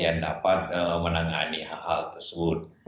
yang dapat menangani hal hal tersebut